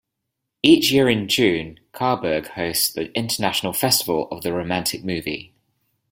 Each year in June, Cabourg hosts the "International Festival of the Romantic Movie".